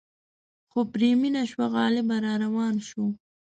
خو پرې مینه شوه غالبه را روان شو.